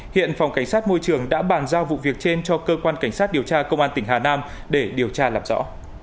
hiện phòng cảnh sát môi trường đã bàn giao vụ việc trên cho cơ quan cảnh sát điều tra công an tỉnh hà nam để điều tra làm rõ